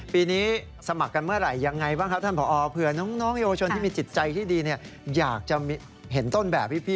ปีนี้สมัครกันเมื่อไหร่ยังไงบ้างครับท่านผอเผื่อน้องเยาวชนที่มีจิตใจที่ดีอยากจะเห็นต้นแบบพี่